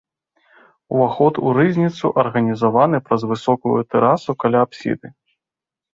Уваход у рызніцу арганізаваны праз высокую тэрасу каля апсіды.